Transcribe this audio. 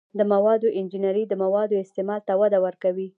د موادو انجنیری د موادو استعمال ته وده ورکوي.